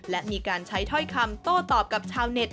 และมีการใช้ถ้อยคำโต้ตอบกับชาวเน็ต